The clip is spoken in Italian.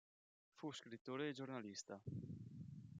Fu scrittore e giornalista.